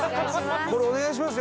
これお願いしますよ。